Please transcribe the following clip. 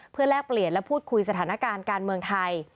เพื่อแลกเปลี่ยนและพูดคุยสถานการณ์การเมืองไทย